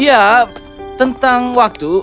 ya tentang waktu